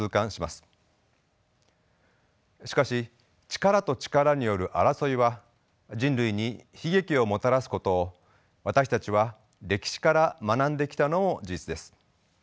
しかし力と力による争いは人類に悲劇をもたらすことを私たちは歴史から学んできたのも事実です。